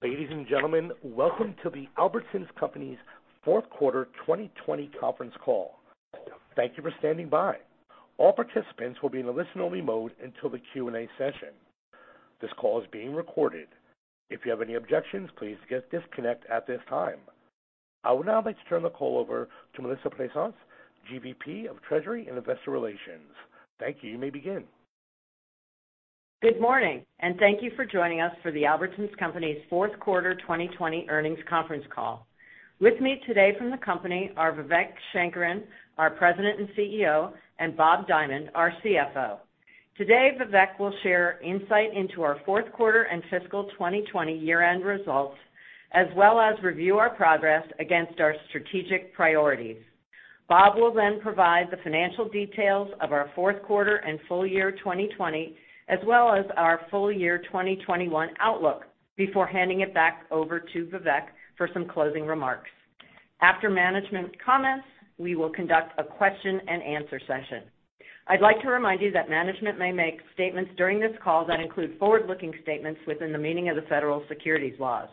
Ladies and gentlemen, welcome to the Albertsons Companies Fourth Quarter 2020 Conference Call. Thank you for standing by. All participants will be in a listen-only mode until the Q&A session. This call is being recorded. If you have any objections, please disconnect at this time. I would now like to turn the call over to Melissa Plaisance, GVP of Treasury and Investor Relations. Thank you. You may begin. Good morning, and thank you for joining us for the Albertsons Companies' Fourth Quarter 2020 Earnings Conference Call. With me today from the company are Vivek Sankaran, our President and CEO, and Bob Dimond, our CFO. Today, Vivek will share insight into our Fourth Quarter and Fiscal 2020 year-end results, as well as review our progress against our strategic priorities. Bob will then provide the financial details of our Fourth Quarter and full year 2020, as well as our full year 2021 outlook, before handing it back over to Vivek for some closing remarks. After management's comments, we will conduct a question-and-answer session. I'd like to remind you that management may make statements during this call that include forward-looking statements within the meaning of the federal securities laws.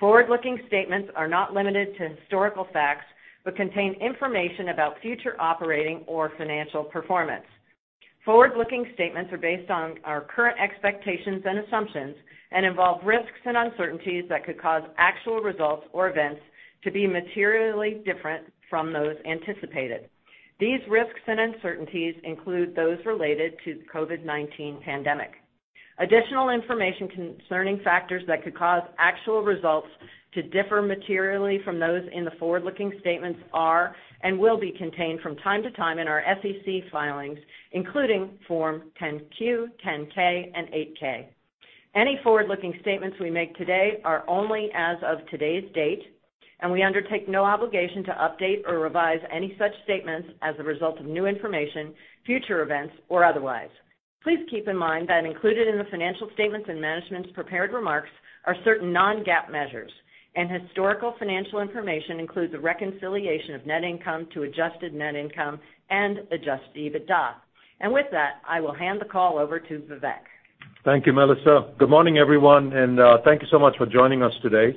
Forward-looking statements are not limited to historical facts but contain information about future operating or financial performance. Forward-looking statements are based on our current expectations and assumptions and involve risks and uncertainties that could cause actual results or events to be materially different from those anticipated. These risks and uncertainties include those related to the COVID-19 pandemic. Additional information concerning factors that could cause actual results to differ materially from those in the forward-looking statements are and will be contained from time to time in our SEC filings, including Form 10-Q, 10-K, and 8-K. Any forward-looking statements we make today are only as of today's date, and we undertake no obligation to update or revise any such statements as a result of new information, future events, or otherwise. Please keep in mind that included in the financial statements and management's prepared remarks are certain non-GAAP measures, and historical financial information includes the reconciliation of net income to Adjusted Net Income and Adjusted EBITDA. And with that, I will hand the call over to Vivek. Thank you, Melissa. Good morning, everyone, and thank you so much for joining us today.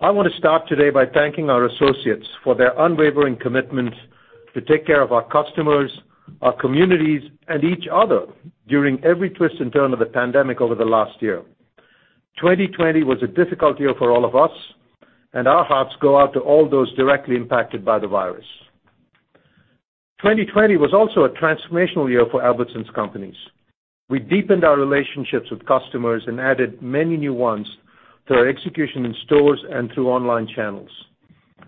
I want to start today by thanking our associates for their unwavering commitment to take care of our customers, our communities, and each other during every twist and turn of the pandemic over the last year. 2020 was a difficult year for all of us, and our hearts go out to all those directly impacted by the virus. 2020 was also a transformational year for Albertsons Companies. We deepened our relationships with customers and added many new ones through our execution in stores and through online channels.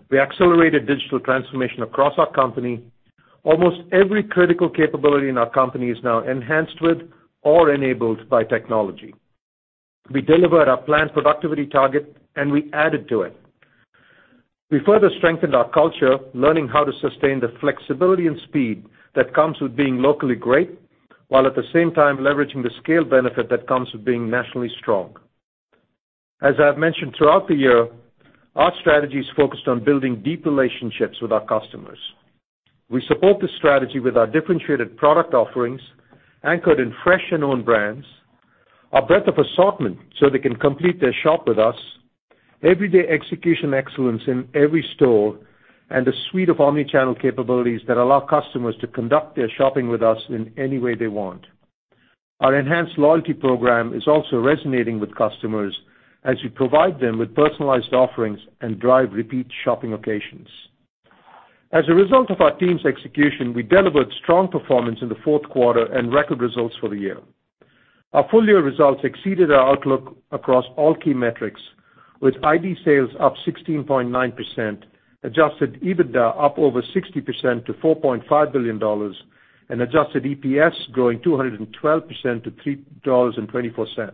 We accelerated digital transformation across our company. Almost every critical capability in our company is now enhanced with or enabled by technology. We delivered our planned productivity target, and we added to it. We further strengthened our culture, learning how to sustain the flexibility and speed that comes with being locally great while at the same time leveraging the scale benefit that comes with being nationally strong. As I've mentioned throughout the year, our strategy is focused on building deep relationships with our customers. We support this strategy with our differentiated product offerings anchored in Fresh and Own Brands, our breadth of assortment so they can complete their shop with us, everyday execution excellence in every store, and a suite of omnichannel capabilities that allow customers to conduct their shopping with us in any way they want. Our enhanced loyalty program is also resonating with customers as we provide them with personalized offerings and drive repeat shopping occasions. As a result of our team's execution, we delivered strong performance in the fourth quarter and record results for the year. Our full year results exceeded our outlook across all key metrics, with ID sales up 16.9%, Adjusted EBITDA up over 60% to $4.5 billion, and Adjusted EPS growing 212% to $3.24,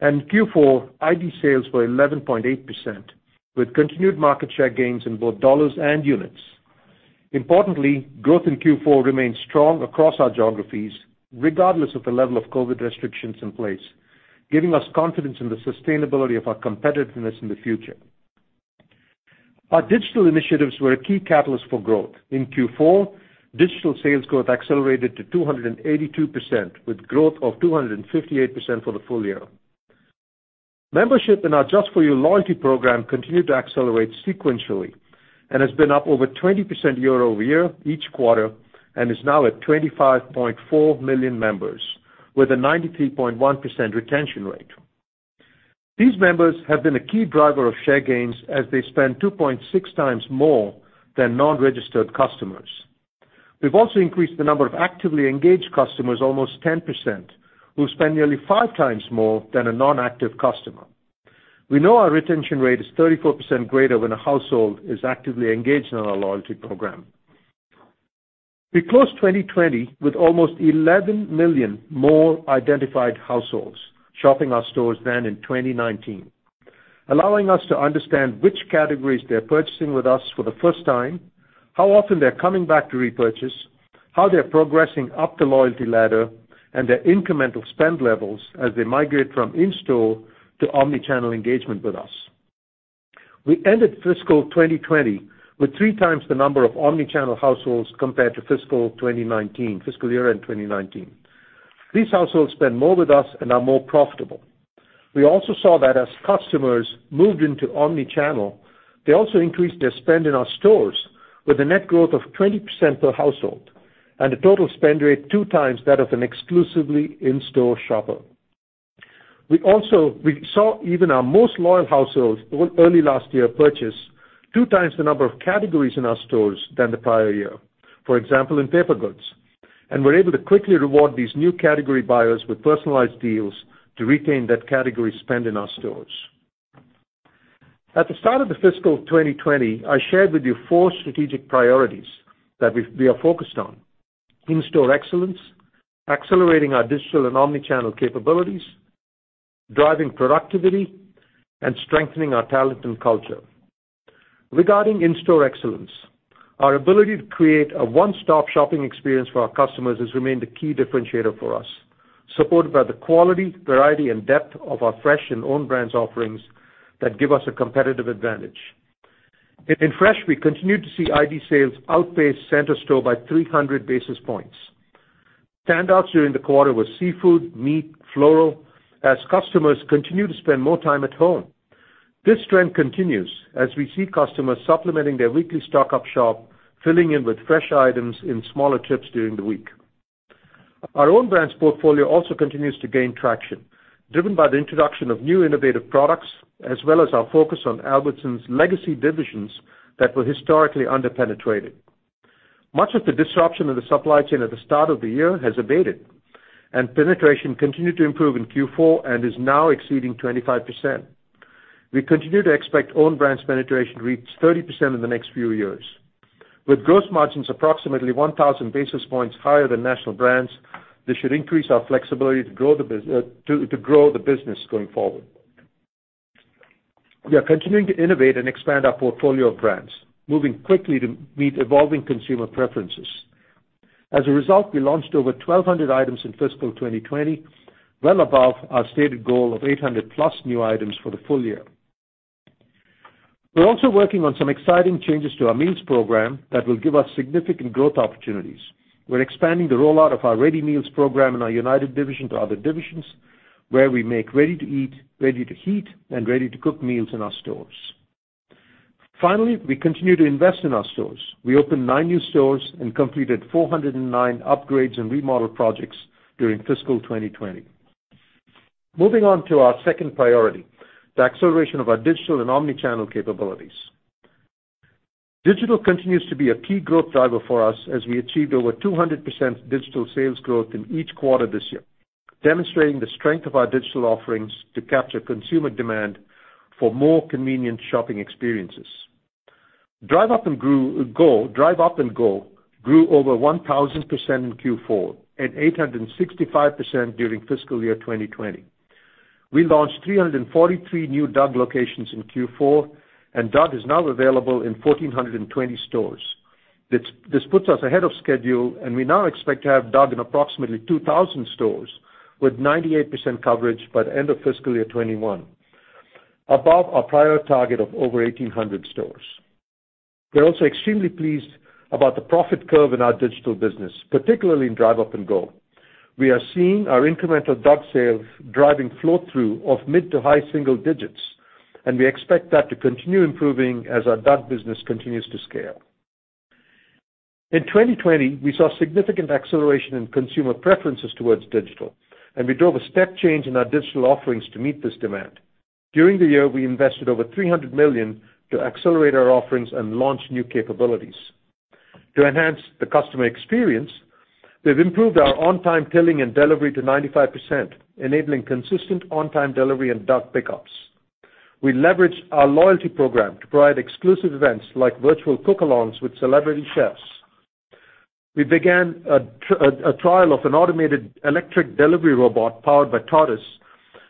and Q4, ID sales were 11.8%, with continued market share gains in both dollars and units. Importantly, growth in Q4 remained strong across our geographies, regardless of the level of COVID restrictions in place, giving us confidence in the sustainability of our competitiveness in the future. Our digital initiatives were a key catalyst for growth. In Q4, digital sales growth accelerated to 282%, with growth of 258% for the full year. Membership in our Just for U loyalty program continued to accelerate sequentially and has been up over 20% year-over-year each quarter and is now at 25.4 million members, with a 93.1% retention rate. These members have been a key driver of share gains as they spend 2.6 times more than non-registered customers. We've also increased the number of actively engaged customers almost 10%, who spend nearly five times more than a non-active customer. We know our retention rate is 34% greater when a household is actively engaged in our loyalty program. We closed 2020 with almost 11 million more identified households shopping our stores than in 2019, allowing us to understand which categories they're purchasing with us for the first time, how often they're coming back to repurchase, how they're progressing up the loyalty ladder, and their incremental spend levels as they migrate from in-store to omnichannel engagement with us. We ended fiscal 2020 with three times the number of omnichannel households compared to fiscal year-end 2019. These households spend more with us and are more profitable. We also saw that as customers moved into omnichannel, they also increased their spend in our stores with a net growth of 20% per household and a total spend rate two times that of an exclusively in-store shopper. We saw even our most loyal households early last year purchase two times the number of categories in our stores than the prior year, for example, in paper goods, and were able to quickly reward these new category buyers with personalized deals to retain that category spend in our stores. At the start of the fiscal 2020, I shared with you four strategic priorities that we are focused on: in-store excellence, accelerating our digital and omnichannel capabilities, driving productivity, and strengthening our talent and culture. Regarding in-store excellence, our ability to create a one-stop shopping experience for our customers has remained a key differentiator for us, supported by the quality, variety, and depth of our Fresh and Own Brands offerings that give us a competitive advantage. In Fresh, we continue to see ID sales outpace Center Store by 300 basis points. Standouts during the quarter were seafood, meat, floral. As customers continue to spend more time at home. This trend continues as we see customers supplementing their weekly stock up shop, filling in with fresh items in smaller trips during the week. Our Own Brands portfolio also continues to gain traction, driven by the introduction of new innovative products, as well as our focus on Albertsons' legacy divisions that were historically under-penetrated. Much of the disruption in the supply chain at the start of the year has abated, and penetration continued to improve in Q4 and is now exceeding 25%. We continue to expect Own Brands penetration to reach 30% in the next few years. With gross margins approximately 1,000 basis points higher than national brands, this should increase our flexibility to grow the business going forward. We are continuing to innovate and expand our portfolio of brands, moving quickly to meet evolving consumer preferences. As a result, we launched over 1,200 items in fiscal 2020, well above our stated goal of 800-plus new items for the full year. We're also working on some exciting changes to our meals program that will give us significant growth opportunities. We're expanding the rollout of our ReadyMeals program in our United Division to other divisions, where we make ready-to-eat, ready-to-heat, and ready-to-cook meals in our stores. Finally, we continue to invest in our stores. We opened nine new stores and completed 409 upgrades and remodel projects during fiscal 2020. Moving on to our second priority, the acceleration of our digital and omnichannel capabilities. Digital continues to be a key growth driver for us as we achieved over 200% digital sales growth in each quarter this year, demonstrating the strength of our digital offerings to capture consumer demand for more convenient shopping experiences. Drive Up & Go grew over 1,000% in Q4 and 865% during fiscal year 2020. We launched 343 new DUG locations in Q4, and DUG is now available in 1,420 stores. This puts us ahead of schedule, and we now expect to have DUG in approximately 2,000 stores with 98% coverage by the end of fiscal year 2021, above our prior target of over 1,800 stores. We're also extremely pleased about the profit curve in our digital business, particularly in Drive Up & Go. We are seeing our incremental DUG sales driving flow-through of mid to high single digits, and we expect that to continue improving as our DUG business continues to scale. In 2020, we saw significant acceleration in consumer preferences towards digital, and we drove a step change in our digital offerings to meet this demand. During the year, we invested over $300 million to accelerate our offerings and launch new capabilities. To enhance the customer experience, we've improved our on-time filling and delivery to 95%, enabling consistent on-time delivery and DUG pickups. We leveraged our loyalty program to provide exclusive events like virtual cook-alongs with celebrity chefs. We began a trial of an automated electric delivery robot powered by Tortoise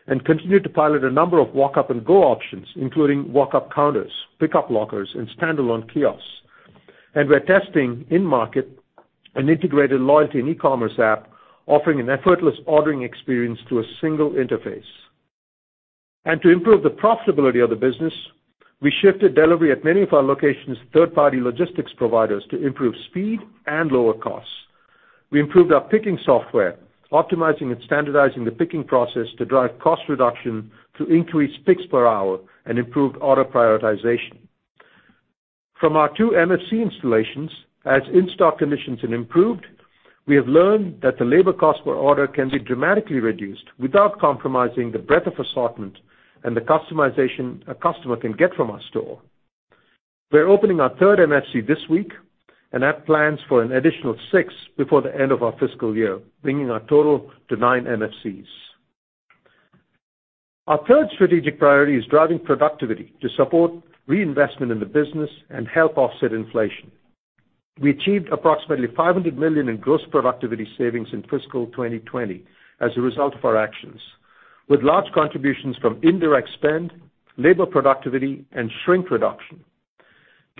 and continue to pilot a number of Walk Up & Go options, including walk-up counters, pickup lockers, and standalone kiosks, and we're testing in-market an integrated loyalty and e-commerce app, offering an effortless ordering experience through a single interface, and to improve the profitability of the business, we shifted delivery at many of our locations to third-party logistics providers to improve speed and lower costs. We improved our picking software, optimizing and standardizing the picking process to drive cost reduction through increased picks per hour and improved order prioritization. From our two MFC installations, as in-store conditions have improved, we have learned that the labor cost per order can be dramatically reduced without compromising the breadth of assortment and the customization a customer can get from our store. We're opening our third MFC this week and have plans for an additional six before the end of our fiscal year, bringing our total to nine MFCs. Our third strategic priority is driving productivity to support reinvestment in the business and help offset inflation. We achieved approximately $500 million in gross productivity savings in fiscal 2020 as a result of our actions, with large contributions from indirect spend, labor productivity, and shrink reduction.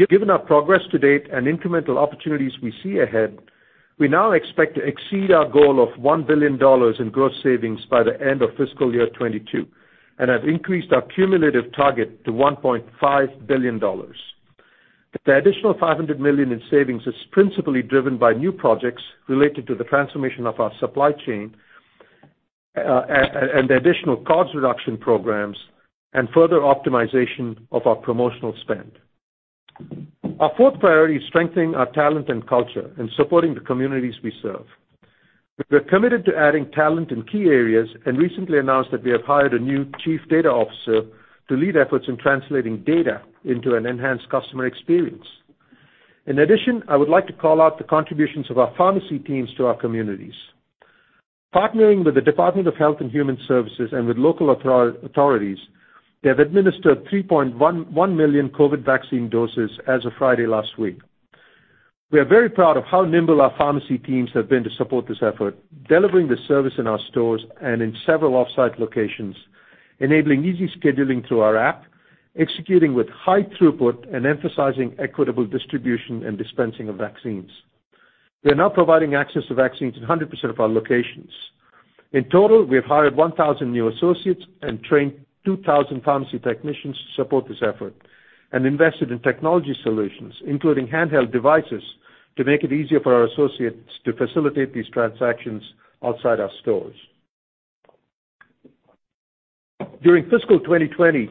Given our progress to date and incremental opportunities we see ahead, we now expect to exceed our goal of $1 billion in gross savings by the end of fiscal year 2022 and have increased our cumulative target to $1.5 billion. The additional $500 million in savings is principally driven by new projects related to the transformation of our supply chain and the additional cost reduction programs and further optimization of our promotional spend. Our fourth priority is strengthening our talent and culture and supporting the communities we serve. We're committed to adding talent in key areas and recently announced that we have hired a new chief data officer to lead efforts in translating data into an enhanced customer experience. In addition, I would like to call out the contributions of our pharmacy teams to our communities. Partnering with the Department of Health and Human Services and with local authorities, they have administered 3.1 million COVID vaccine doses as of Friday last week. We are very proud of how nimble our pharmacy teams have been to support this effort, delivering the service in our stores and in several off-site locations, enabling easy scheduling through our app, executing with high throughput, and emphasizing equitable distribution and dispensing of vaccines. We're now providing access to vaccines in 100% of our locations. In total, we have hired 1,000 new associates and trained 2,000 pharmacy technicians to support this effort and invested in technology solutions, including handheld devices, to make it easier for our associates to facilitate these transactions outside our stores. During fiscal 2020,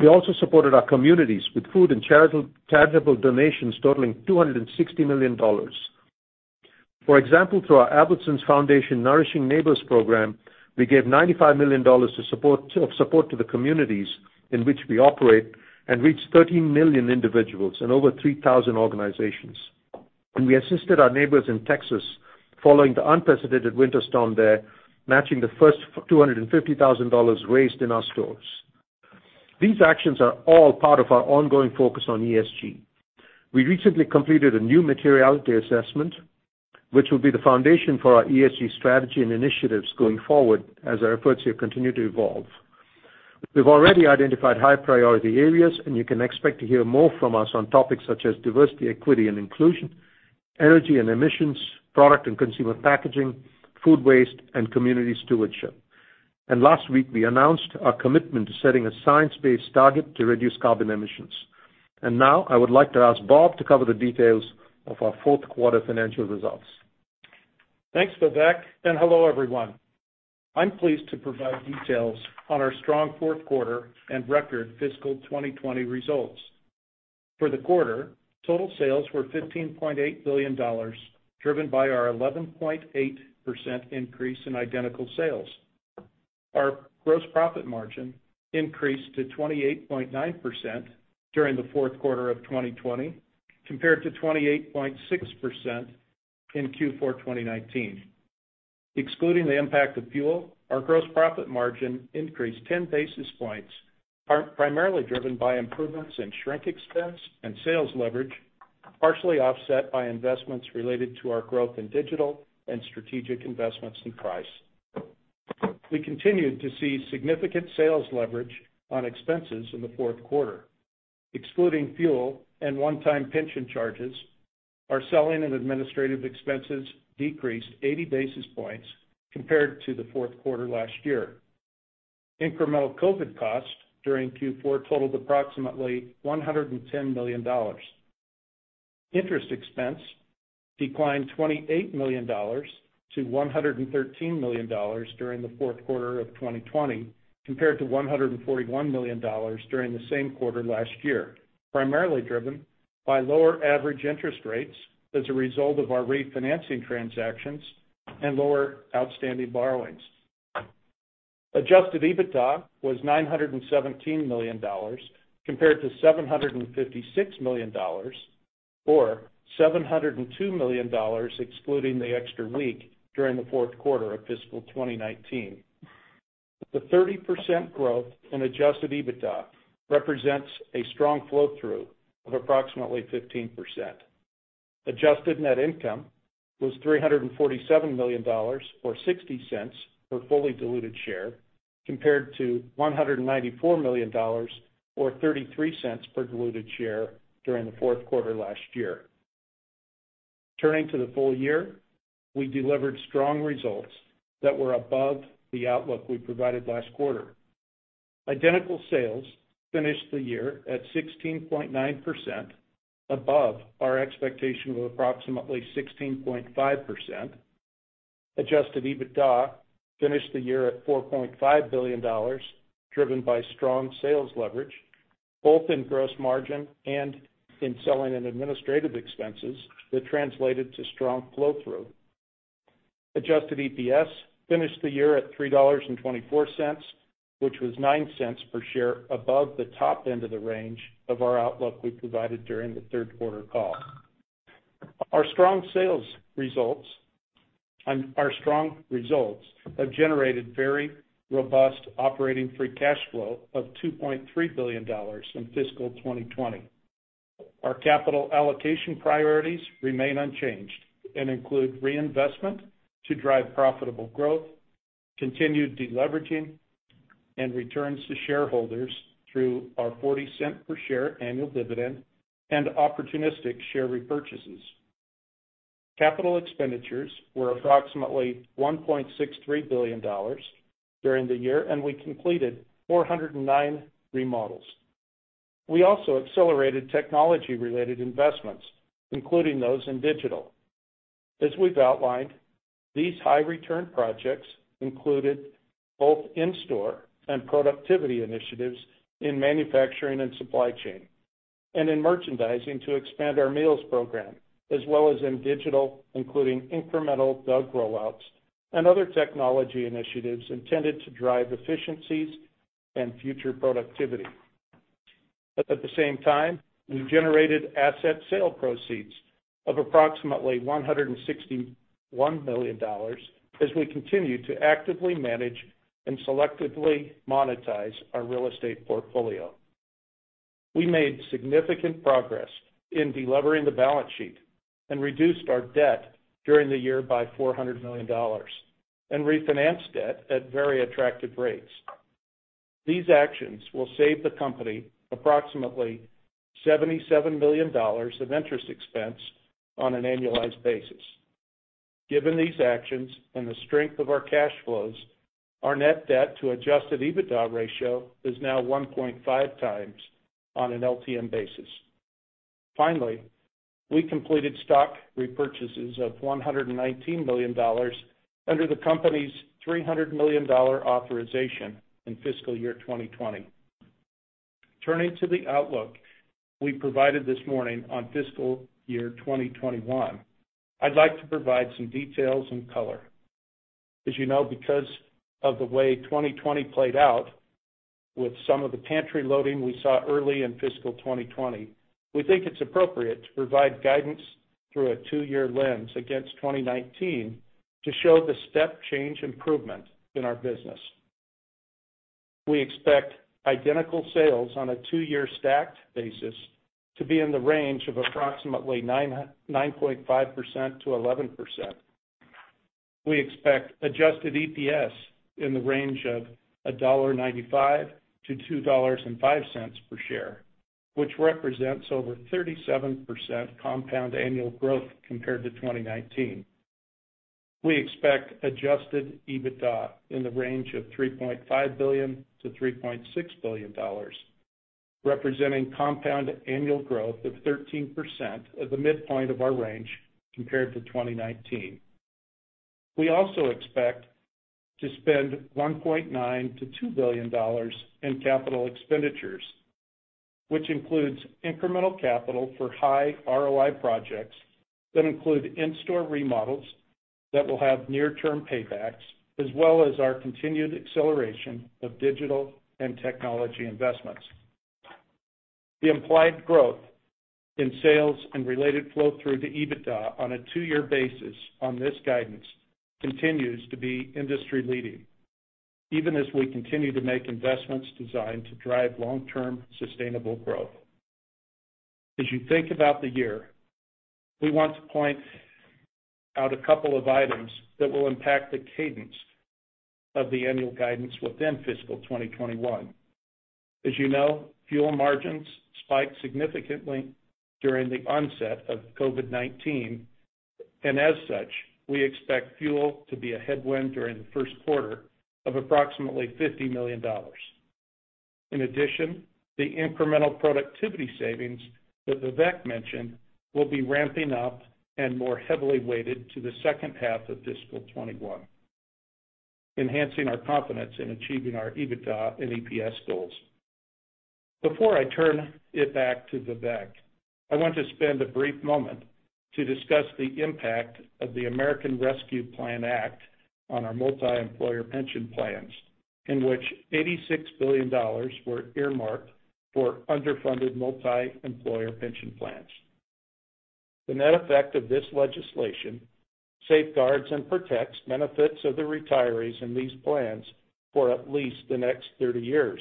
we also supported our communities with food and charitable donations totaling $260 million. For example, through our Albertsons Foundation Nourishing Neighbors program, we gave $95 million of support to the communities in which we operate and reached 13 million individuals and over 3,000 organizations. And we assisted our neighbors in Texas following the unprecedented winter storm there, matching the first $250,000 raised in our stores. These actions are all part of our ongoing focus on ESG. We recently completed a new materiality assessment, which will be the foundation for our ESG strategy and initiatives going forward as our efforts here continue to evolve. We've already identified high-priority areas, and you can expect to hear more from us on topics such as diversity, equity, and inclusion, energy and emissions, product and consumer packaging, food waste, and community stewardship. And last week, we announced our commitment to setting a science-based target to reduce carbon emissions. And now, I would like to ask Bob to cover the details of our fourth quarter financial results. Thanks, Vivek. And hello, everyone. I'm pleased to provide details on our strong fourth quarter and record fiscal 2020 results. For the quarter, total sales were $15.8 billion, driven by our 11.8% increase in Identical Sales. Our gross profit margin increased to 28.9% during the fourth quarter of 2020, compared to 28.6% in Q4 2019. Excluding the impact of fuel, our gross profit margin increased 10 basis points, primarily driven by improvements in shrink expense and sales leverage, partially offset by investments related to our growth in digital and strategic investments in price. We continued to see significant sales leverage on expenses in the fourth quarter. Excluding fuel and one-time pension charges, our selling and administrative expenses decreased 80 basis points compared to the fourth quarter last year. Incremental COVID costs during Q4 totaled approximately $110 million. Interest expense declined $28 million-$113 million during the fourth quarter of 2020, compared to $141 million during the same quarter last year, primarily driven by lower average interest rates as a result of our refinancing transactions and lower outstanding borrowings. Adjusted EBITDA was $917 million, compared to $756 million, or $702 million excluding the extra week during the fourth quarter of fiscal 2019. The 30% growth in Adjusted EBITDA represents a strong flow-through of approximately 15%. Adjusted Net Income was $347 million, or $0.60 per fully diluted share, compared to $194 million, or $0.33 per diluted share during the fourth quarter last year. Turning to the full year, we delivered strong results that were above the outlook we provided last quarter. Identical Sales finished the year at 16.9%, above our expectation of approximately 16.5%. Adjusted EBITDA finished the year at $4.5 billion, driven by strong sales leverage, both in gross margin and in selling and administrative expenses that translated to strong flow-through. Adjusted EPS finished the year at $3.24, which was $0.09 per share, above the top end of the range of our outlook we provided during the third quarter call. Our strong sales results have generated very robust operating free cash flow of $2.3 billion in fiscal 2020. Our capital allocation priorities remain unchanged and include reinvestment to drive profitable growth, continued deleveraging, and returns to shareholders through our $0.40 per share annual dividend and opportunistic share repurchases. Capital expenditures were approximately $1.63 billion during the year, and we completed 409 remodels. We also accelerated technology-related investments, including those in digital. As we've outlined, these high-return projects included both in-store and productivity initiatives in manufacturing and supply chain, and in merchandising to expand our meals program, as well as in digital, including incremental DUG rollouts and other technology initiatives intended to drive efficiencies and future productivity. At the same time, we generated asset sale proceeds of approximately $161 million as we continue to actively manage and selectively monetize our real estate portfolio. We made significant progress in delivering the balance sheet and reduced our debt during the year by $400 million and refinanced debt at very attractive rates. These actions will save the company approximately $77 million of interest expense on an annualized basis. Given these actions and the strength of our cash flows, our net debt to Adjusted EBITDA ratio is now 1.5 times on an LTM basis. Finally, we completed stock repurchases of $119 million under the company's $300 million authorization in fiscal year 2020. Turning to the outlook we provided this morning on fiscal year 2021, I'd like to provide some details in color. As you know, because of the way 2020 played out with some of the pantry loading we saw early in fiscal 2020, we think it's appropriate to provide guidance through a two-year lens against 2019 to show the step change improvement in our business. We expect Identical Sales on a two-year stacked basis to be in the range of approximately 9.5%-11%. We expect adjusted EPS in the range of $1.95-$2.05 per share, which represents over 37% compound annual growth compared to 2019. We expect Adjusted EBITDA in the range of $3.5 billion-$3.6 billion, representing compound annual growth of 13% at the midpoint of our range compared to 2019. We also expect to spend $1.9 billion-$2 billion in capital expenditures, which includes incremental capital for high ROI projects that include in-store remodels that will have near-term paybacks, as well as our continued acceleration of digital and technology investments. The implied growth in sales and related flow-through to EBITDA on a two-year basis on this guidance continues to be industry-leading, even as we continue to make investments designed to drive long-term sustainable growth. As you think about the year, we want to point out a couple of items that will impact the cadence of the annual guidance within fiscal 2021. As you know, fuel margins spiked significantly during the onset of COVID-19, and as such, we expect fuel to be a headwind during the first quarter of approximately $50 million. In addition, the incremental productivity savings that Vivek mentioned will be ramping up and more heavily weighted to the second half of fiscal 2021, enhancing our confidence in achieving our EBITDA and EPS goals. Before I turn it back to Vivek, I want to spend a brief moment to discuss the impact of the American Rescue Plan Act on our multi-employer pension plans, in which $86 billion were earmarked for underfunded multi-employer pension plans. The net effect of this legislation safeguards and protects benefits of the retirees in these plans for at least the next 30 years.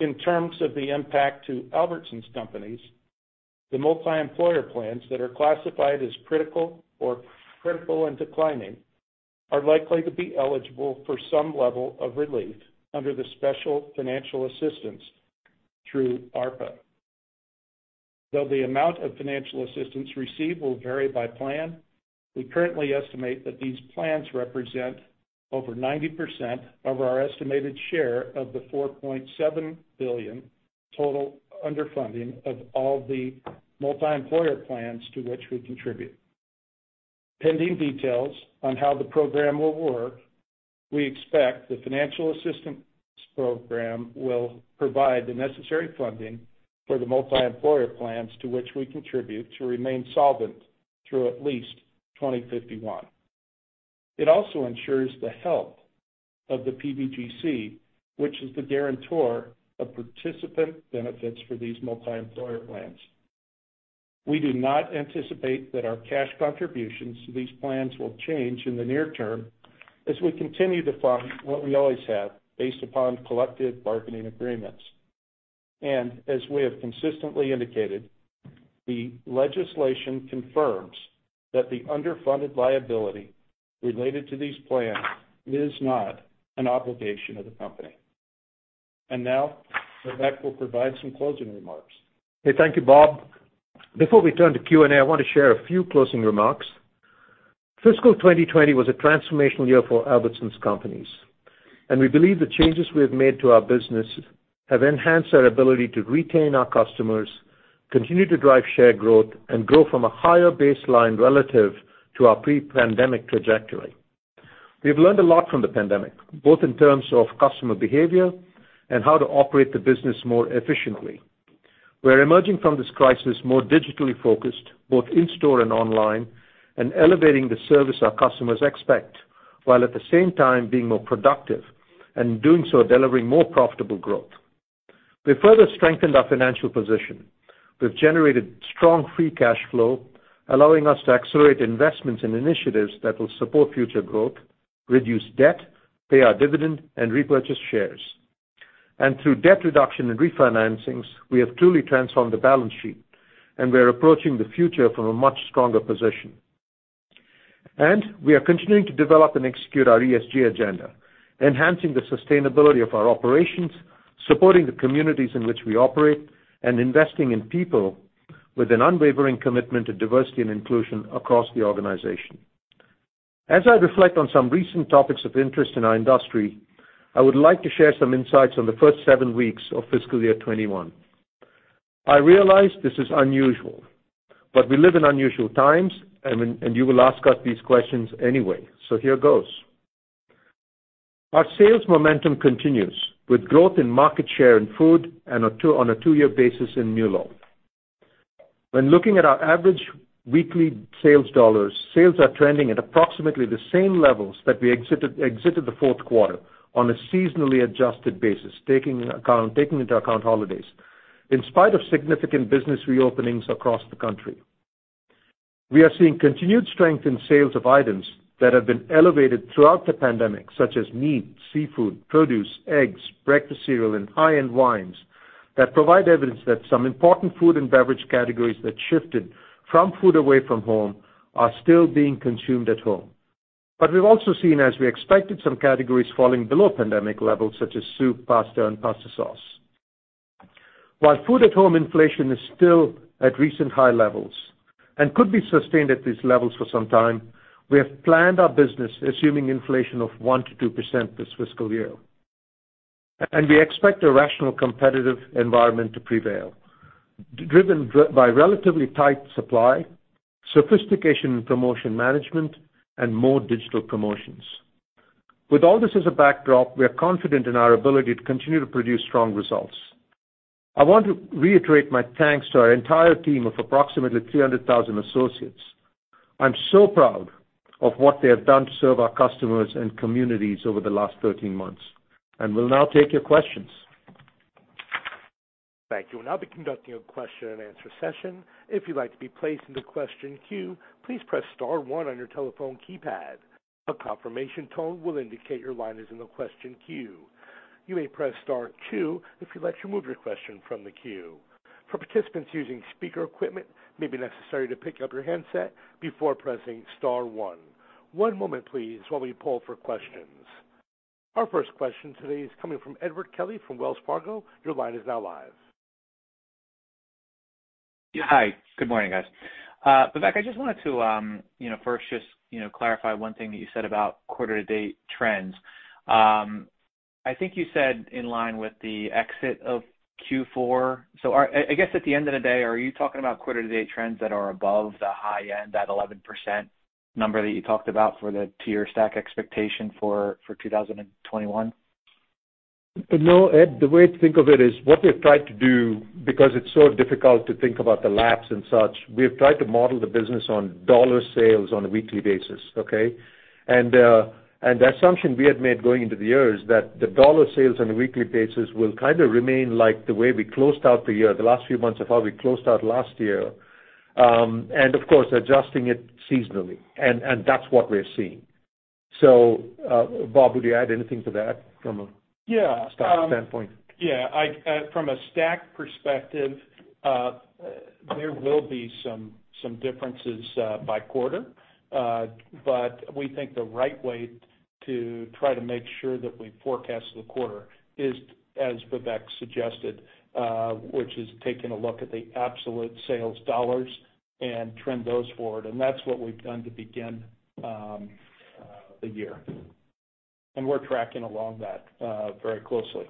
In terms of the impact to Albertsons Companies, the multi-employer plans that are classified as critical or critical and declining are likely to be eligible for some level of relief under the special financial assistance through ARPA. Though the amount of financial assistance received will vary by plan, we currently estimate that these plans represent over 90% of our estimated share of the $4.7 billion total underfunding of all the multi-employer plans to which we contribute. Pending details on how the program will work, we expect the financial assistance program will provide the necessary funding for the multi-employer plans to which we contribute to remain solvent through at least 2051. It also ensures the health of the PBGC, which is the guarantor of participant benefits for these multi-employer plans. We do not anticipate that our cash contributions to these plans will change in the near term as we continue to fund what we always have based upon collective bargaining agreements, and as we have consistently indicated, the legislation confirms that the underfunded liability related to these plans is not an obligation of the company, and now, Vivek will provide some closing remarks. Hey, thank you, Bob. Before we turn to Q&A, I want to share a few closing remarks. Fiscal 2020 was a transformational year for Albertsons Companies, and we believe the changes we have made to our business have enhanced our ability to retain our customers, continue to drive share growth, and grow from a higher baseline relative to our pre-pandemic trajectory. We have learned a lot from the pandemic, both in terms of customer behavior and how to operate the business more efficiently. We're emerging from this crisis more digitally focused, both in-store and online, and elevating the service our customers expect, while at the same time being more productive and doing so, delivering more profitable growth. We've further strengthened our financial position. We've generated strong free cash flow, allowing us to accelerate investments and initiatives that will support future growth, reduce debt, pay our dividend, and repurchase shares, and through debt reduction and refinancings, we have truly transformed the balance sheet, and we're approaching the future from a much stronger position, and we are continuing to develop and execute our ESG agenda, enhancing the sustainability of our operations, supporting the communities in which we operate, and investing in people with an unwavering commitment to diversity and inclusion across the organization. As I reflect on some recent topics of interest in our industry, I would like to share some insights on the first seven weeks of fiscal year 2021. I realize this is unusual, but we live in unusual times, and you will ask us these questions anyway, so here goes. Our sales momentum continues with growth in market share in food and on a two-year basis in fuel. When looking at our average weekly sales dollars, sales are trending at approximately the same levels that we exited the fourth quarter on a seasonally adjusted basis, taking into account holidays, in spite of significant business reopenings across the country. We are seeing continued strength in sales of items that have been elevated throughout the pandemic, such as meat, seafood, produce, eggs, breakfast cereal, and high-end wines that provide evidence that some important food and beverage categories that shifted from food away from home are still being consumed at home, but we've also seen, as we expected, some categories falling below pandemic levels, such as soup, pasta, and pasta sauce. While food-at-home inflation is still at recent high levels and could be sustained at these levels for some time, we have planned our business, assuming inflation of 1%-2% this fiscal year, and we expect a rational competitive environment to prevail, driven by relatively tight supply, sophistication in promotion management, and more digital promotions. With all this as a backdrop, we are confident in our ability to continue to produce strong results. I want to reiterate my thanks to our entire team of approximately 300,000 associates. I'm so proud of what they have done to serve our customers and communities over the last 13 months. And we'll now take your questions. Thank you. We'll now be conducting a question-and-answer session. If you'd like to be placed in the question queue, please press star one on your telephone keypad. A confirmation tone will indicate your line is in the question queue. You may press star two if you'd like to remove your question from the queue. For participants using speaker equipment, it may be necessary to pick up your handset before pressing star one. One moment, please, while we poll for questions. Our first question today is coming from Edward Kelly from Wells Fargo. Your line is now live. Hi. Good morning, guys. Vivek, I just wanted to first just clarify one thing that you said about quarter-to-date trends. I think you said in line with the exit of Q4. So I guess at the end of the day, are you talking about quarter-to-date trends that are above the high end, that 11% number that you talked about for the two-year stack expectation for 2021? No, Ed, the way to think of it is what we've tried to do, because it's so difficult to think about the laps and such, we have tried to model the business on dollar sales on a weekly basis, okay? And the assumption we had made going into the year is that the dollar sales on a weekly basis will kind of remain like the way we closed out the year, the last few months of how we closed out last year, and of course, adjusting it seasonally. And that's what we're seeing. So Bob, would you add anything to that from a stack standpoint? Yeah. From a stack perspective, there will be some differences by quarter, but we think the right way to try to make sure that we forecast the quarter is, as Vivek suggested, which is taking a look at the absolute sales dollars and trend those forward. And that's what we've done to begin the year. And we're tracking along that very closely.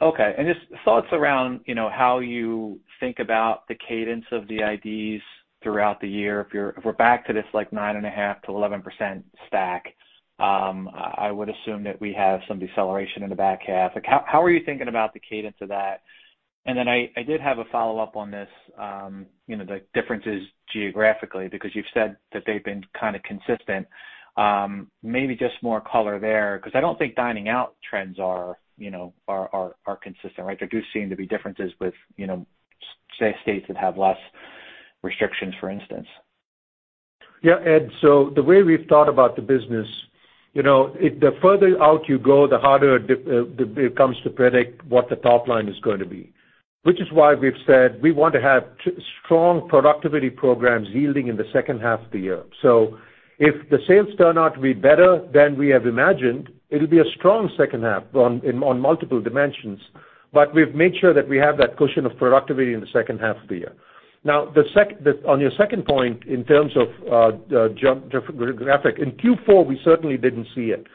Okay. And just thoughts around how you think about the cadence of the IDs throughout the year. If we're back to this 9.5%-11% stack, I would assume that we have some deceleration in the back half. How are you thinking about the cadence of that? And then I did have a follow-up on this, the differences geographically, because you've said that they've been kind of consistent. Maybe just more color there, because I don't think dining out trends are consistent, right? There do seem to be differences with, say, states that have less restrictions, for instance. Yeah, Ed. So the way we've thought about the business, the further out you go, the harder it comes to predict what the top line is going to be, which is why we've said we want to have strong productivity programs yielding in the second half of the year. So if the sales turn out to be better than we have imagined, it'll be a strong second half on multiple dimensions, but we've made sure that we have that cushion of productivity in the second half of the year. Now, on your second point in terms of geographic, in Q4, we certainly didn't see it.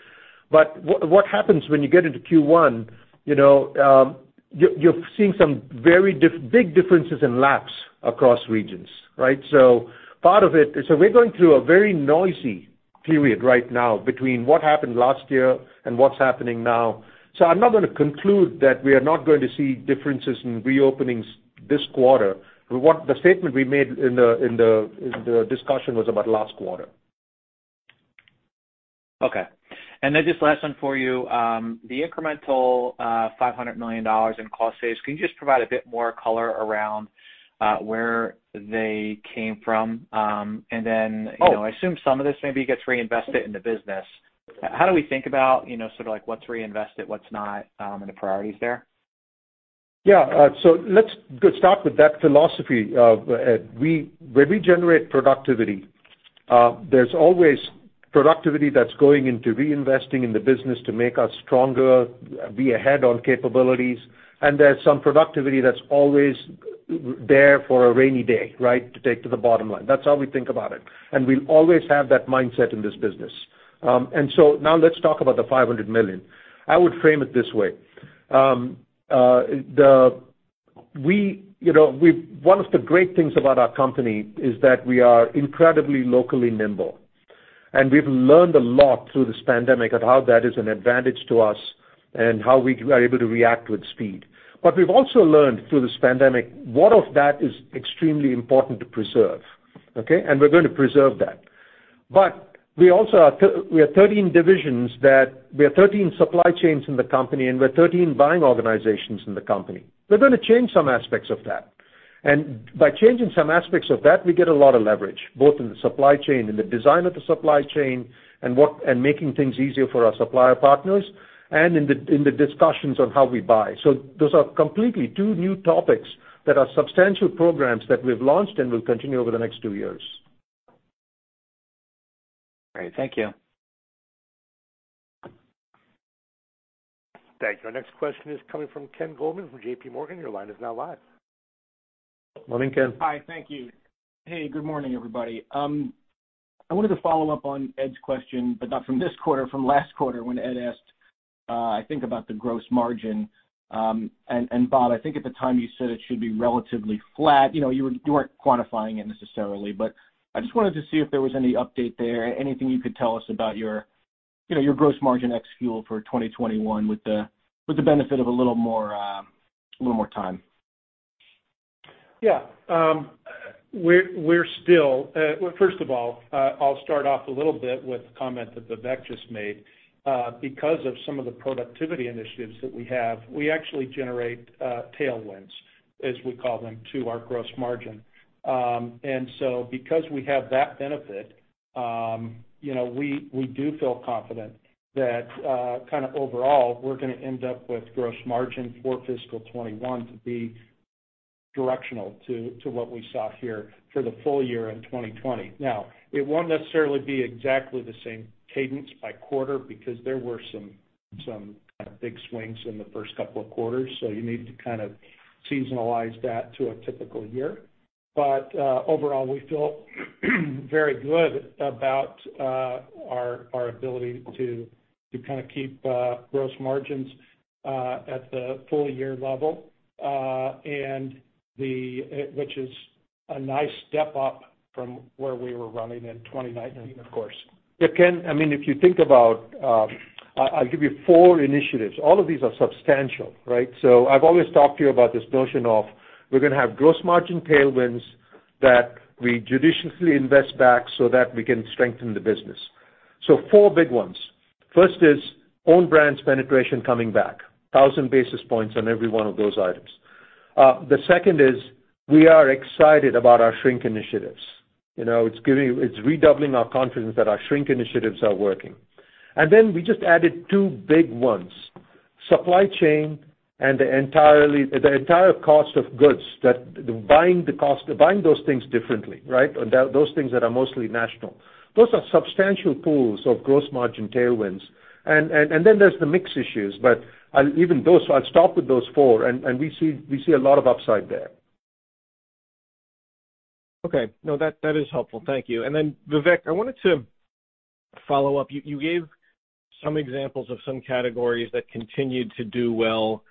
But what happens when you get into Q1, you're seeing some very big differences in laps across regions, right? So part of it is we're going through a very noisy period right now between what happened last year and what's happening now. So I'm not going to conclude that we are not going to see differences in reopenings this quarter. The statement we made in the discussion was about last quarter. Okay. And then just last one for you. The incremental $500 million in cost saves, can you just provide a bit more color around where they came from? And then I assume some of this maybe gets reinvested in the business. How do we think about sort of what's reinvested, what's not, and the priorities there? Yeah. So let's start with that philosophy, Ed. When we generate productivity, there's always productivity that's going into reinvesting in the business to make us stronger, be ahead on capabilities, and there's some productivity that's always there for a rainy day, right, to take to the bottom line. That's how we think about it. And we'll always have that mindset in this business. And so now let's talk about the $500 million. I would frame it this way. One of the great things about our company is that we are incredibly locally nimble, and we've learned a lot through this pandemic of how that is an advantage to us and how we are able to react with speed. But we've also learned through this pandemic what of that is extremely important to preserve, okay? And we're going to preserve that. But we are 13 divisions that we are 13 supply chains in the company, and we're 13 buying organizations in the company. We're going to change some aspects of that. And by changing some aspects of that, we get a lot of leverage, both in the supply chain, in the design of the supply chain, and making things easier for our supplier partners, and in the discussions on how we buy. So those are completely two new topics that are substantial programs that we've launched and will continue over the next two years. All right. Thank you. Thank you. Our next question is coming from Ken Goldman from JPMorgan. Your line is now live. Good Morning, Ken. Hi. Thank you. Hey, good morning, everybody. I wanted to follow up on Ed's question, but not from this quarter, from last quarter when Ed asked, I think, about the gross margin. And, Bob, I think at the time you said it should be relatively flat. You weren't quantifying it necessarily, but I just wanted to see if there was any update there, anything you could tell us about your gross margin ex-fuel for 2021 with the benefit of a little more time. Yeah. we're still, well, first of all, I'll start off a little bit with a comment that Vivek just made. Because of some of the productivity initiatives that we have, we actually generate tailwinds, as we call them, to our gross margin. And so because we have that benefit, we do feel confident that kind of overall, we're going to end up with gross margin for fiscal 2021 to be directional to what we saw here for the full year in 2020. Now, it won't necessarily be exactly the same cadence by quarter because there were some kind of big swings in the first couple of quarters, so you need to kind of seasonalize that to a typical year. But overall, we feel very good about our ability to kind of keep gross margins at the full-year level, which is a nice step up from where we were running in 2019, of course. Yeah, Ken, I mean, if you think about I'll give you four initiatives. All of these are substantial, right? So I've always talked to you about this notion of we're going to have gross margin tailwinds that we judiciously invest back so that we can strengthen the business. So four big ones. First is Own Brands penetration coming back, 1,000 basis points on every one of those items. The second is we are excited about our shrink initiatives. It's redoubling our confidence that our shrink initiatives are working. And then we just added two big ones: supply chain and the entire cost of goods, buying those things differently, right? Those things that are mostly national. Those are substantial pools of gross margin tailwinds. And then there's the mix issues, but even those, I'll stop with those four, and we see a lot of upside there. Okay. No, that is helpful. Thank you. And then, Vivek, I wanted to follow up. You gave some examples of some categories that continued to do well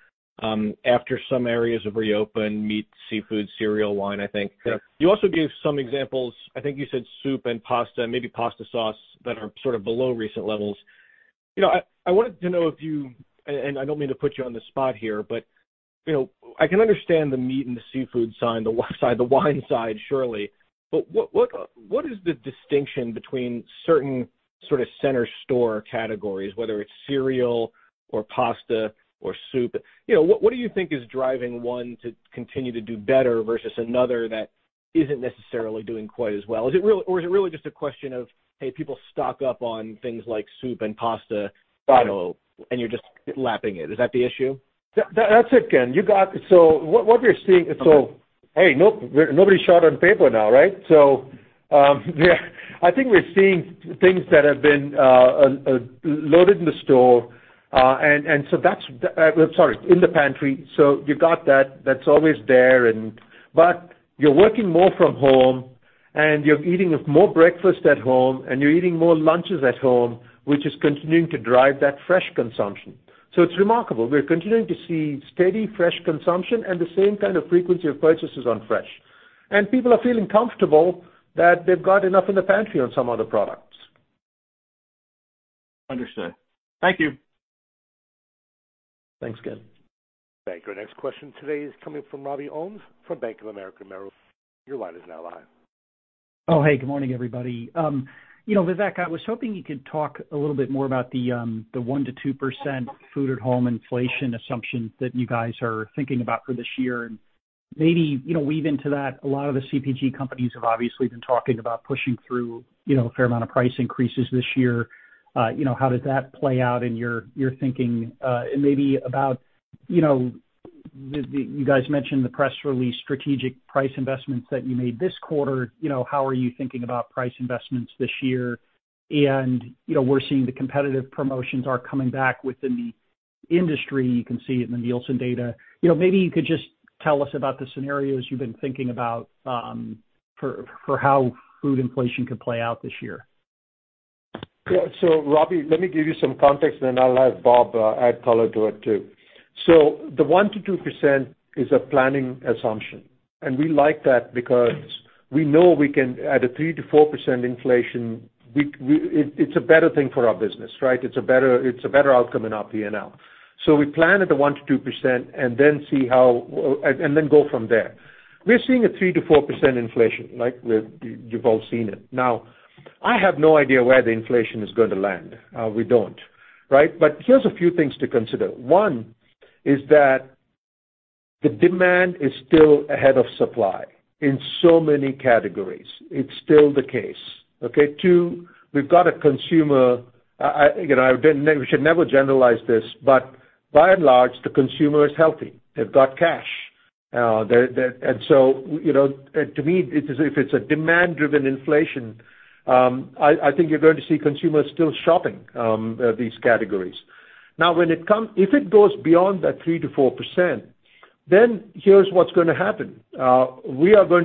after some areas of reopen, meat, seafood, cereal, wine, I think. You also gave some examples, I think you said soup and pasta, maybe pasta sauce, that are sort of below recent levels. I wanted to know if you, and I don't mean to put you on the spot here, but I can understand the meat and the seafood side, the wine side, surely. But what is the distinction between certain sort of Center Store categories, whether it's cereal or pasta or soup? What do you think is driving one to continue to do better versus another that isn't necessarily doing quite as well? Or is it really just a question of, hey, people stock up on things like soup and pasta, and you're just lapping it? Is that the issue? That's it, Ken. So what we're seeing, so hey, nobody's short on paper now, right? So I think we're seeing things that have been loaded in the store, and so that's, sorry, in the pantry. So you've got that. That's always there. But you're working more from home, and you're eating more breakfast at home, and you're eating more lunches at home, which is continuing to drive that fresh consumption. So it's remarkable. We're continuing to see steady fresh consumption and the same kind of frequency of purchases on fresh. And people are feeling comfortable that they've got enough in the pantry on some of the products. Understood. Thank you. Thanks, Ken. Thank you. Our next question today is coming from Robbie Ohmes from Bank of America Merrill Lynch. Your line is now live. Oh, hey, good morning, everybody. Vivek, I was hoping you could talk a little bit more about the 1%-2% food-at-home inflation assumption that you guys are thinking about for this year and maybe weave into that. A lot of the CPG companies have obviously been talking about pushing through a fair amount of price increases this year. How does that play out in your thinking, and maybe about you guys mentioned the press release, strategic price investments that you made this quarter. How are you thinking about price investments this year, and we're seeing the competitive promotions are coming back within the industry. You can see it in the Nielsen data. Maybe you could just tell us about the scenarios you've been thinking about for how food inflation could play out this year. Yeah. So, Robbie, let me give you some context, and then I'll have Bob add color to it too, so the 1%-2% is a planning assumption, and we like that because we know we can at a 3%-4% inflation, it's a better thing for our business, right? It's a better outcome in our P&L, so we plan at the 1%-2% and then see how and then go from there. We're seeing a 3%-4% inflation, right? You've all seen it. Now, I have no idea where the inflation is going to land. We don't, right, but here's a few things to consider. One is that the demand is still ahead of supply in so many categories. It's still the case, okay? Two, we've got a consumer, we should never generalize this, but by and large, the consumer is healthy. They've got cash, and so to me, if it's a demand-driven inflation, I think you're going to see consumers still shopping these categories. Now, if it goes beyond that 3%-4%, then here's what's going to happen. We're going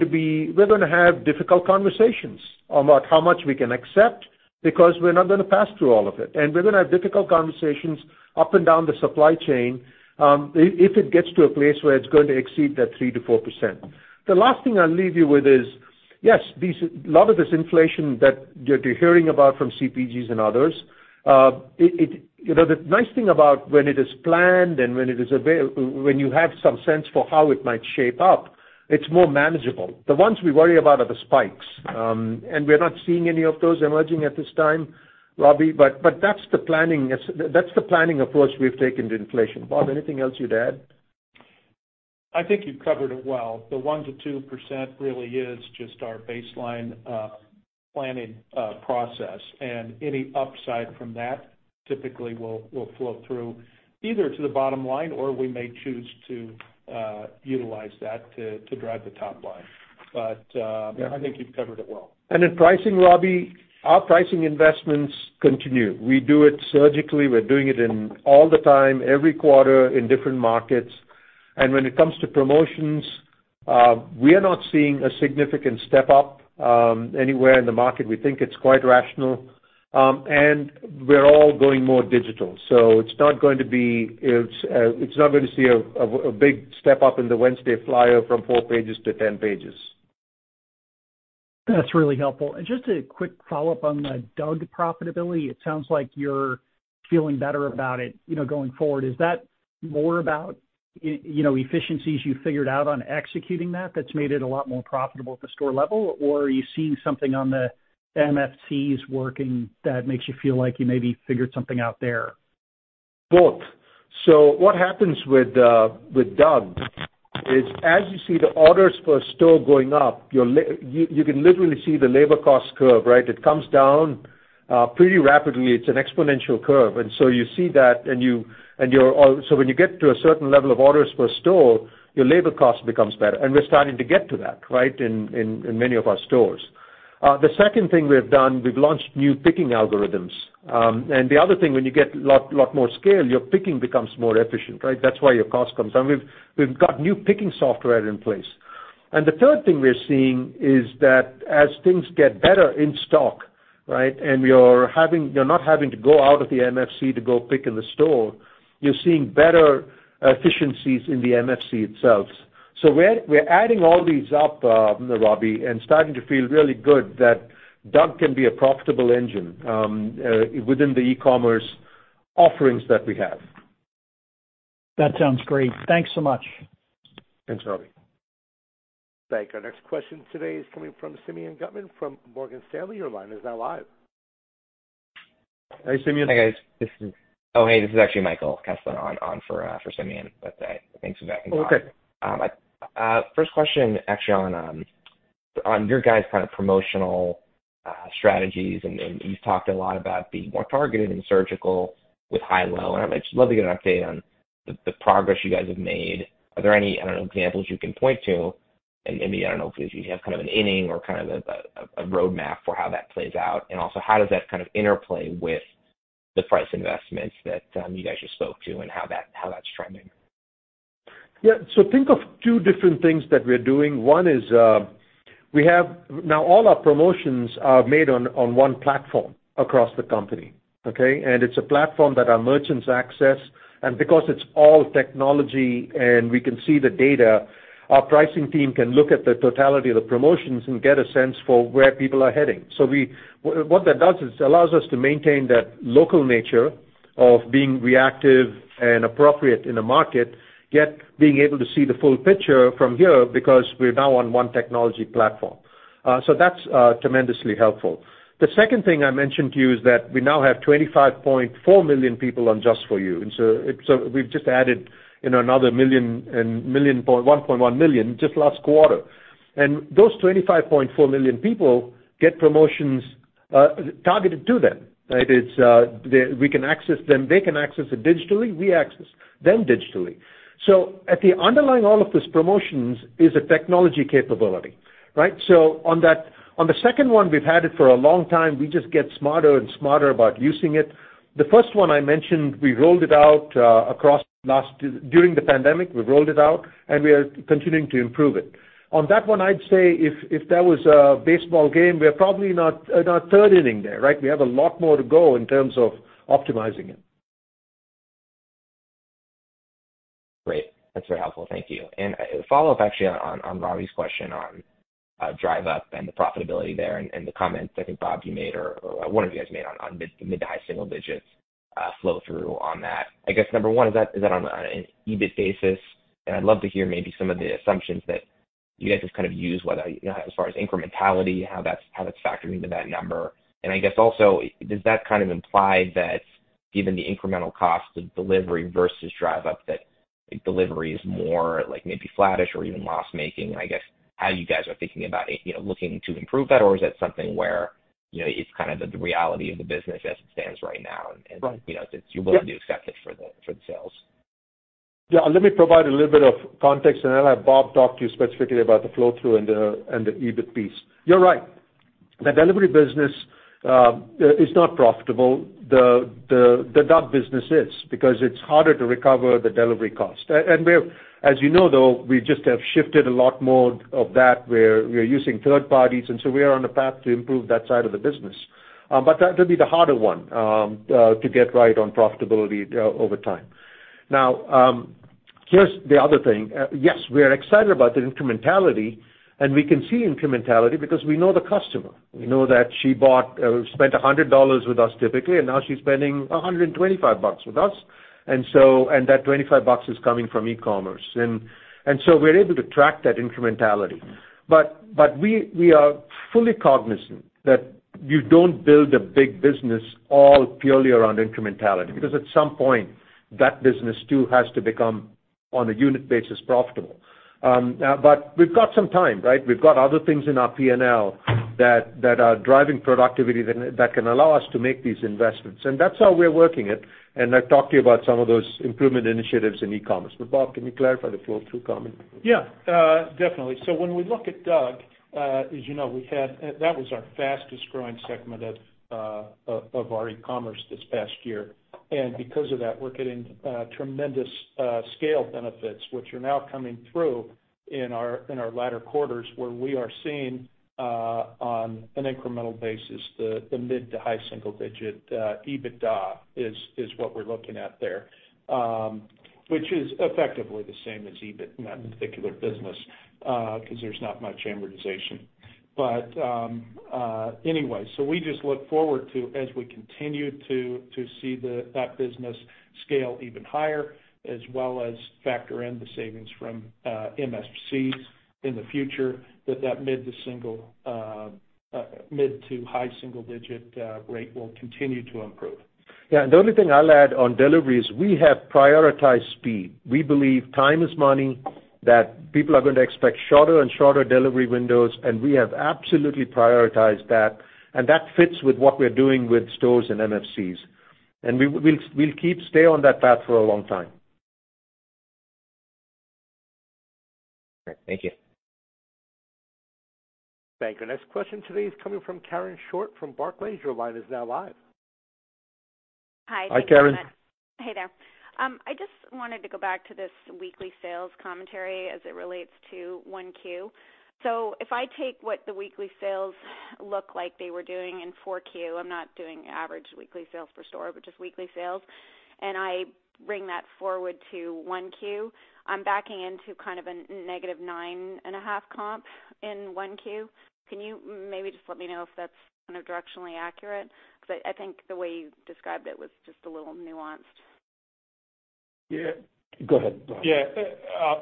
to have difficult conversations about how much we can accept because we're not going to pass through all of it. And we're going to have difficult conversations up and down the supply chain if it gets to a place where it's going to exceed that 3%-4%. The last thing I'll leave you with is, yes, a lot of this inflation that you're hearing about from CPGs and others, the nice thing about when it is planned and when you have some sense for how it might shape up, it's more manageable. The ones we worry about are the spikes. And we're not seeing any of those emerging at this time, Robbie, but that's the planning approach we've taken to inflation. Bob, anything else you'd add? I think you've covered it well. The 1%-2% really is just our baseline planning process, and any upside from that typically will flow through either to the bottom line or we may choose to utilize that to drive the top line, but I think you've covered it well. And in pricing, Robbie, our pricing investments continue. We do it surgically. We're doing it all the time, every quarter, in different markets, and when it comes to promotions, we are not seeing a significant step up anywhere in the market. We think it's quite rational, and we're all going more digital, so it's not going to see a big step up in the Wednesday flyer from 4 pages to 10 pages. That's really helpful, and just a quick follow-up on the DUG profitability. It sounds like you're feeling better about it going forward. Is that more about efficiencies you figured out on executing that that's made it a lot more profitable at the store level? Or are you seeing something on the MFCs working that makes you feel like you maybe figured something out there? Both. So what happens with DUG is, as you see the orders per store going up, you can literally see the labor cost curve, right? It comes down pretty rapidly. It's an exponential curve. And so you see that. And so when you get to a certain level of orders per store, your labor cost becomes better. And we're starting to get to that, right, in many of our stores. The second thing we've done, we've launched new picking algorithms. And the other thing, when you get a lot more scale, your picking becomes more efficient, right? That's why your cost comes down. We've got new picking software in place, and the third thing we're seeing is that as things get better in stock, right, and you're not having to go out of the MFC to go pick in the store, you're seeing better efficiencies in the MFC itself. So we're adding all these up, Robbie, and starting to feel really good that DUG can be a profitable engine within the e-commerce offerings that we have. That sounds great. Thanks so much. Thanks, Robbie. Thank you. Our next question today is coming from Simeon Gutman from Morgan Stanley. Your line is now live. Hey, Simeon. Hey, guys. Oh, hey. This is actually Michael Kessler on for Simeon, but thanks, Vivek. First question, actually, on your guys' kind of promotional strategies, and you've talked a lot about being more targeted and surgical with high, low. And I'd just love to get an update on the progress you guys have made. Are there any, I don't know, examples you can point to? And maybe, I don't know, if you have kind of an inning or kind of a roadmap for how that plays out. And also, how does that kind of interplay with the price investments that you guys just spoke to and how that's trending? Yeah. So think of two different things that we're doing. One is we have now all our promotions are made on one platform across the company, okay? And it's a platform that our merchants access. And because it's all technology and we can see the data, our pricing team can look at the totality of the promotions and get a sense for where people are heading. So what that does is it allows us to maintain that local nature of being reactive and appropriate in the market, yet being able to see the full picture from here because we're now on one technology platform. So that's tremendously helpful. The second thing I mentioned to you is that we now have 25.4 million people on Just for U. And so we've just added another 1.1 million just last quarter. And those 25.4 million people get promotions targeted to them, right? We can access them. They can access it digitally. We access them digitally. So at the underlying all of these promotions is a technology capability, right? So on the second one, we've had it for a long time. We just get smarter and smarter about using it. The first one I mentioned, we rolled it out across during the pandemic. We rolled it out, and we are continuing to improve it. On that one, I'd say if that was a baseball game, we're probably in the third inning there, right? We have a lot more to go in terms of optimizing it. Great. That's very helpful. Thank you. And a follow-up, actually, on Robbie's question on Drive Up and the profitability there and the comments I think Bob you made, or one of you guys made on mid to high single digits flow through on that. I guess number one, is that on an EBIT basis? And I'd love to hear maybe some of the assumptions that you guys have kind of used as far as incrementality, how that's factored into that number. And I guess also, does that kind of imply that given the incremental cost of delivery versus Drive Up, that delivery is more maybe flattish or even loss-making? And I guess how you guys are thinking about looking to improve that, or is that something where it's kind of the reality of the business as it stands right now? And you're willing to accept it for the sales? Yeah. Let me provide a little bit of context, and then I'll have Bob talk to you specifically about the flow through and the EBIT piece. You're right. The delivery business is not profitable. The DUG business is because it's harder to recover the delivery cost. And as you know, though, we just have shifted a lot more of that where we're using third parties. And so we are on a path to improve that side of the business. But that will be the harder one to get right on profitability over time. Now, here's the other thing. Yes, we're excited about the incrementality, and we can see incrementality because we know the customer. We know that she spent $100 with us typically, and now she's spending 125 bucks with us. And that 25 bucks is coming from e-commerce. And so we're able to track that incrementality. But we are fully cognizant that you don't build a big business all purely around incrementality because at some point, that business too has to become, on a unit basis, profitable. But we've got some time, right? We've got other things in our P&L that are driving productivity that can allow us to make these investments. And that's how we're working it. And I've talked to you about some of those improvement initiatives in e-commerce. But Bob, can you clarify the flow-through comment? Yeah, definitely. So when we look at DUG, as you know, we've had that was our fastest-growing segment of our e-commerce this past year. And because of that, we're getting tremendous scale benefits, which are now coming through in our latter quarters where we are seeing on an incremental basis, the mid- to high-single-digit EBITDA is what we're looking at there, which is effectively the same as EBIT in that particular business because there's not much amortization. But anyway, so we just look forward to, as we continue to see that business scale even higher, as well as factor in the savings from MFCs in the future, that mid- to high-single-digit rate will continue to improve. Yeah. And the only thing I'll add on delivery is we have prioritized speed. We believe time is money, that people are going to expect shorter and shorter delivery windows, and we have absolutely prioritized that. And that fits with what we're doing with stores and MFCs. And we'll stay on that path for a long time. Great. Thank you. Thank you. Our next question today is coming from Karen Short from Barclays. Your line is now live. Hi. Hi, Karen. Hey there. I just wanted to go back to this weekly sales commentary as it relates to 1Q. So if I take what the weekly sales look like they were doing in 4Q, I'm not doing average weekly sales per store, but just weekly sales, and I bring that forward to 1Q, I'm backing into kind of a negative 9.5 comp in 1Q. Can you maybe just let me know if that's kind of directionally accurate? Because I think the way you described it was just a little nuanced. Yeah. Go ahead. Yeah.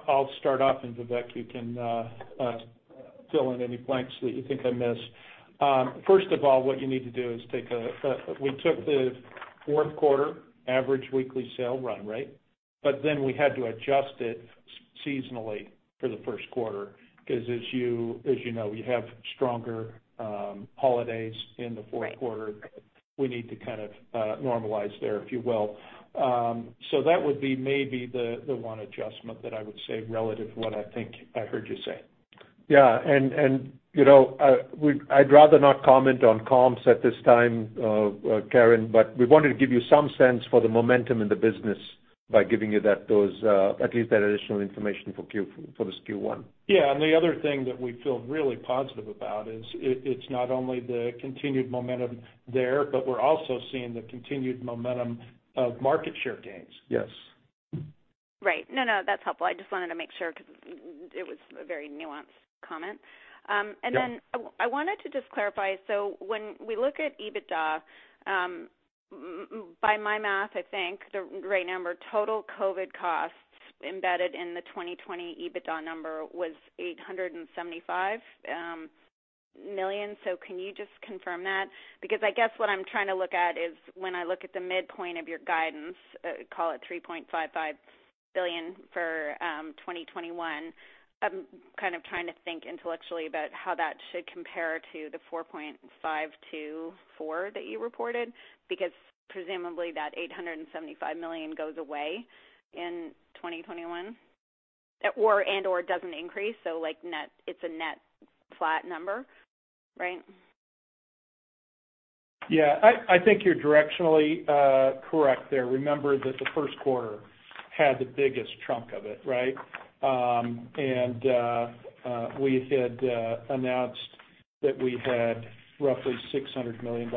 I'll start off, and Vivek, you can fill in any blanks that you think I missed. First of all, what you need to do is take. We took the fourth quarter average weekly sales run, right? But then we had to adjust it seasonally for the first quarter because, as you know, we have stronger holidays in the fourth quarter. We need to kind of normalize there, if you will. So that would be maybe the one adjustment that I would say relative to what I think I heard you say. Yeah. And I'd rather not comment on comps at this time, Karen, but we wanted to give you some sense for the momentum in the business by giving you at least that additional information for Q1. Yeah. And the other thing that we feel really positive about is it's not only the continued momentum there, but we're also seeing the continued momentum of market share gains. Yes. Right. No, no. That's helpful. I just wanted to make sure because it was a very nuanced comment. And then I wanted to just clarify. So when we look at EBITDA, by my math, I think the right number total COVID costs embedded in the 2020 EBITDA number was $875 million. So can you just confirm that? Because I guess what I'm trying to look at is when I look at the midpoint of your guidance, call it $3.55 billion for 2021, I'm kind of trying to think intellectually about how that should compare to the $4.524 billion that you reported because presumably that $875 million goes away in 2021 and/or doesn't increase. So it's a net flat number, right? Yeah. I think you're directionally correct there. Remember that the first quarter had the biggest chunk of it, right? And we had announced that we had roughly $600 million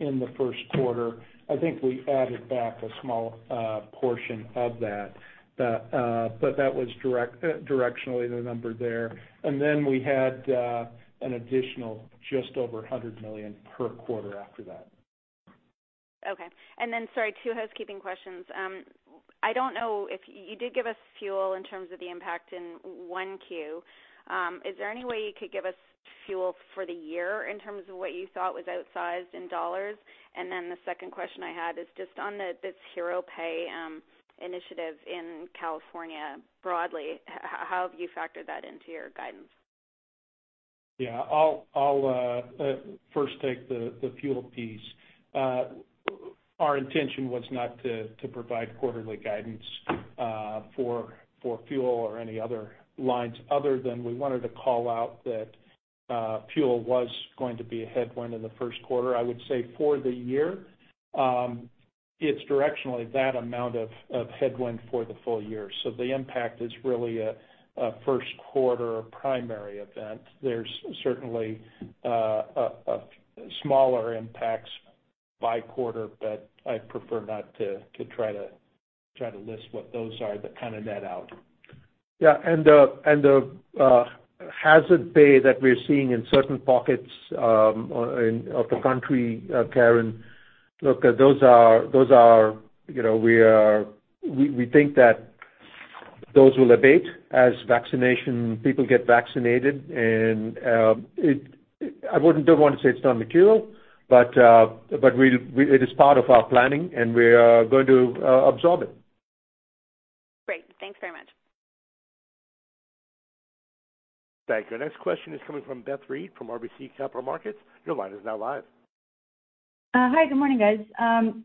in the first quarter. I think we added back a small portion of that. But that was directionally the number there. And then we had an additional just over $100 million per quarter after that. Okay. And then, sorry, two housekeeping questions. I don't know if you did give us fuel in terms of the impact in 1Q. Is there any way you could give us fuel for the year in terms of what you thought was outsized in dollars? And then the second question I had is just on this Hero Pay initiative in California broadly, how have you factored that into your guidance? Yeah. I'll first take the fuel piece. Our intention was not to provide quarterly guidance for fuel or any other lines other than we wanted to call out that fuel was going to be a headwind in the first quarter. I would say for the year, it's directionally that amount of headwind for the full year. So the impact is really a first quarter primary event. There's certainly smaller impacts by quarter, but I'd prefer not to try to list what those are that kind of net out. Yeah. And the hazard pay that we're seeing in certain pockets of the country, Karen, look, those are we think that those will abate as people get vaccinated. And I don't want to say it's not material, but it is part of our planning, and we are going to absorb it. Great. Thanks very much. Thank you. Our next question is coming from Beth Reed from RBC Capital Markets. Your line is now live. Hi. Good morning, guys.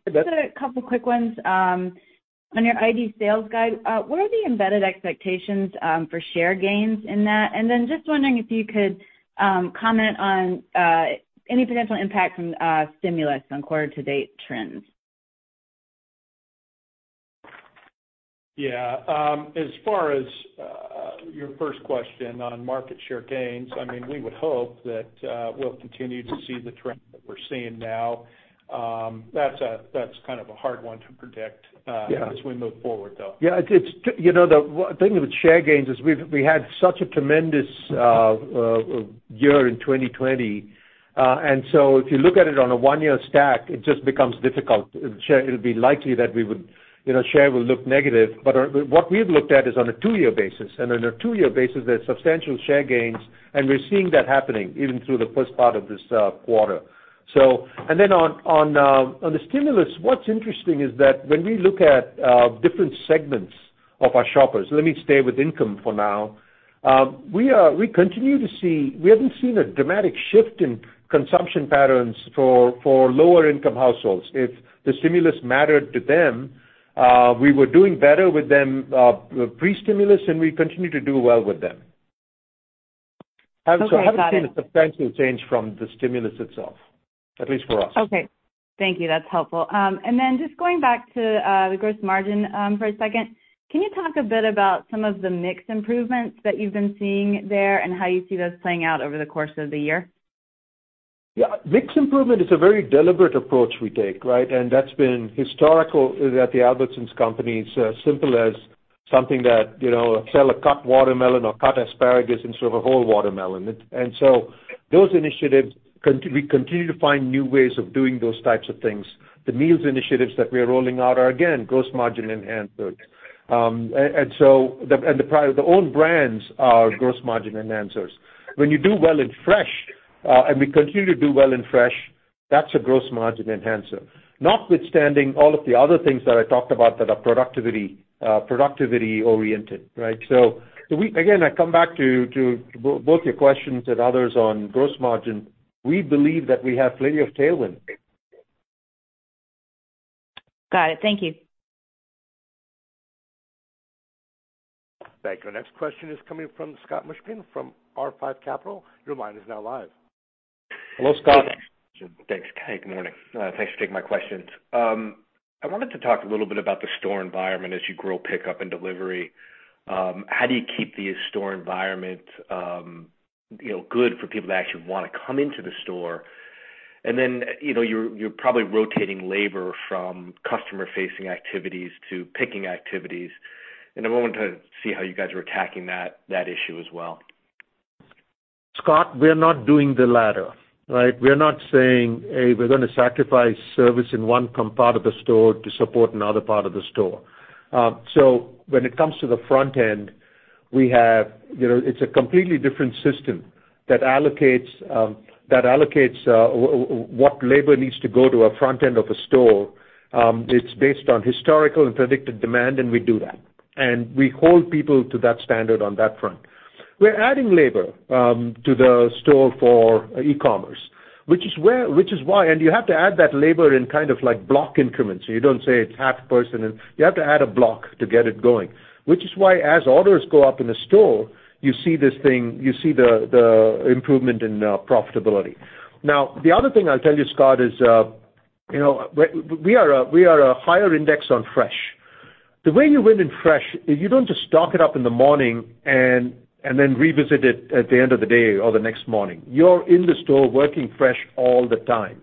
Just a couple of quick ones. On your ID Sales guide, what are the embedded expectations for share gains in that? And then just wondering if you could comment on any potential impact from stimulus on quarter-to-date trends. Yeah. As far as your first question on market share gains, I mean, we would hope that we'll continue to see the trend that we're seeing now. That's kind of a hard one to predict as we move forward, though. Yeah. The thing with share gains is we had such a tremendous year in 2020. And so if you look at it on a one-year stack, it just becomes difficult. It'll be likely that share will look negative. But what we've looked at is on a two-year basis. And on a two-year basis, there's substantial share gains, and we're seeing that happening even through the first part of this quarter. And then on the stimulus, what's interesting is that when we look at different segments of our shoppers, let me stay with income for now, we continue to see we haven't seen a dramatic shift in consumption patterns for lower-income households. If the stimulus mattered to them, we were doing better with them pre-stimulus, and we continue to do well with them. So I haven't seen a substantial change from the stimulus itself, at least for us. Okay. Thank you. That's helpful. And then just going back to the gross margin for a second, can you talk a bit about some of the mix improvements that you've been seeing there and how you see those playing out over the course of the year? Yeah. Mix improvement is a very deliberate approach we take, right? And that's been historical at the Albertsons Companies, as simple as something that sell a cut watermelon or cut asparagus instead of a whole watermelon. And so those initiatives, we continue to find new ways of doing those types of things. The meals initiatives that we are rolling out are, again, gross margin enhancers. And the Own Brands are gross margin enhancers. When you do well in Fresh, and we continue to do well in Fresh, that's a gross margin enhancer. Notwithstanding all of the other things that I talked about that are productivity-oriented, right? So again, I come back to both your questions and others on gross margin. We believe that we have plenty of tailwind. Got it. Thank you. Thank you. Our next question is coming from Scott Mushkin from R5 Capital. Your line is now live. Hello, Scott. Thanks. Hey, good morning. Thanks for taking my questions. I wanted to talk a little bit about the store environment as you grow pickup and delivery. How do you keep these store environments good for people that actually want to come into the store? And then you're probably rotating labor from customer-facing activities to picking activities. And I wanted to see how you guys were attacking that issue as well. Scott, we're not doing the latter, right? We're not saying, "Hey, we're going to sacrifice service in one part of the store to support another part of the store." So when it comes to the front end, it's a completely different system that allocates what labor needs to go to a front end of a store. It's based on historical and predicted demand, and we do that. And we hold people to that standard on that front. We're adding labor to the store for e-commerce, which is why, and you have to add that labor in kind of block increments. You don't say it's half a person. You have to add a block to get it going, which is why as orders go up in the store, you see this thing. You see the improvement in profitability. Now, the other thing I'll tell you, Scott, is we are a higher index on Fresh. The way you win in Fresh, you don't just stock it up in the morning and then revisit it at the end of the day or the next morning. You're in the store working Fresh all the time,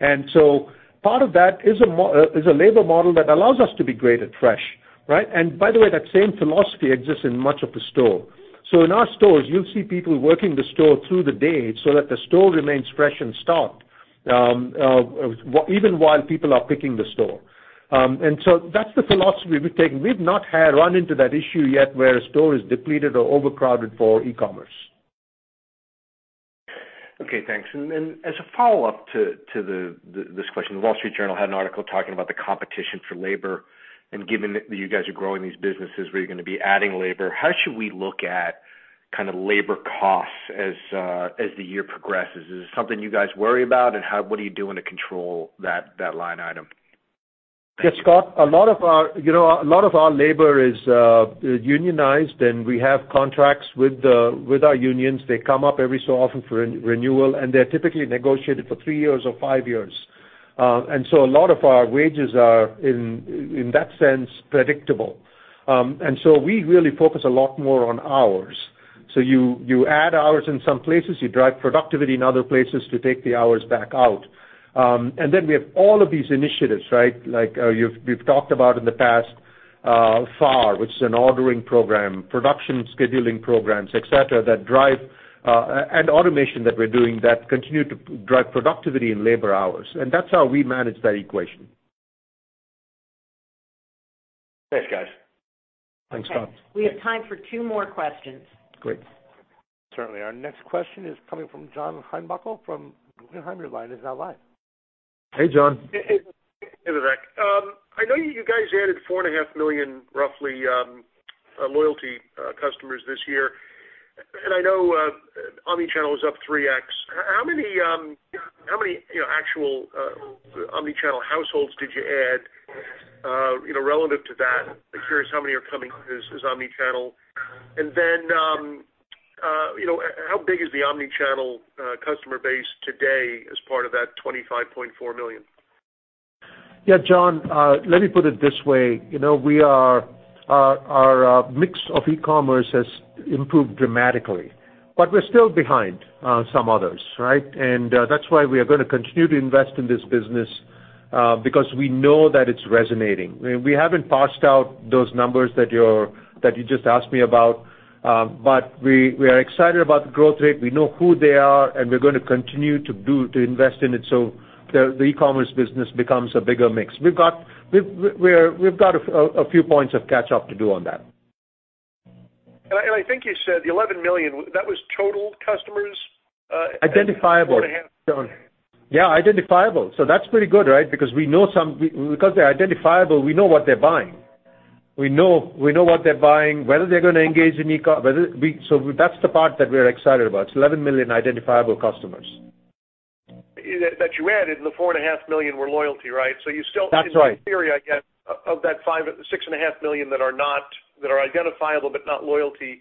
and so part of that is a labor model that allows us to be great at Fresh, right, and by the way, that same philosophy exists in much of the store. So in our stores, you'll see people working the store through the day so that the store remains fresh and stocked even while people are picking the store. And so that's the philosophy we've taken. We've not run into that issue yet where a store is depleted or overcrowded for e-commerce. Okay. Thanks. And as a follow-up to this question, The Wall Street Journal had an article talking about the competition for labor. And given that you guys are growing these businesses where you're going to be adding labor, how should we look at kind of labor costs as the year progresses? Is it something you guys worry about? And what do you do to control that line item? Yeah, Scott. A lot of our labor is unionized, and we have contracts with our unions. They come up every so often for renewal, and they're typically negotiated for three years or five years. And so a lot of our wages are, in that sense, predictable. And so we really focus a lot more on hours. So you add hours in some places, you drive productivity in other places to take the hours back out. And then we have all of these initiatives, right? We've talked about in the past FAR, which is an ordering program, production scheduling programs, etc., that drive and automation that we're doing that continue to drive productivity in labor hours. And that's how we manage that equation. Thanks, guys. Thanks, Scott. We have time for two more questions. Great. Certainly. Our next question is coming from John Heinbockel from Guggenheim. Your line is now live. Hey, John. Hey, Vivek. I know you guys added 4.5 million, roughly, loyalty customers this year. And I know omnichannel is up 3x. How many actual omnichannel households did you add relative to that? I'm curious how many are coming as omnichannel. And then how big is the omnichannel customer base today as part of that 25.4 million? Yeah, John, let me put it this way. Our mix of e-commerce has improved dramatically, but we're still behind some others, right? And that's why we are going to continue to invest in this business because we know that it's resonating. We haven't passed out those numbers that you just asked me about, but we are excited about the growth rate. We know who they are, and we're going to continue to invest in it so the e-commerce business becomes a bigger mix. We've got a few points of catch-up to do on that. And I think you said the 11 million, that was total customers? Identifiable. Yeah, identifiable. So that's pretty good, right? Because we know some because they're identifiable, we know what they're buying. We know what they're buying, whether they're going to engage in e-commerce. So that's the part that we're excited about. It's 11 million identifiable customers. That you added, the 4.5 million were loyalty, right? So you still have the theory, I guess, of that 6.5 million that are identifiable but not loyalty.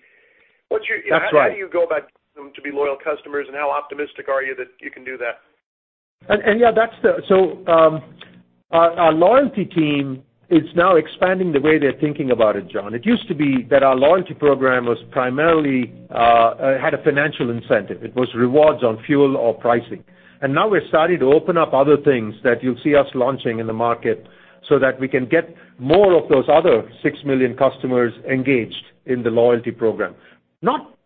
How do you go about getting them to be loyal customers, and how optimistic are you that you can do that? And yeah, so our loyalty team is now expanding the way they're thinking about it, John. It used to be that our loyalty program had a financial incentive. It was rewards on fuel or pricing. And now we're starting to open up other things that you'll see us launching in the market so that we can get more of those other six million customers engaged in the loyalty program.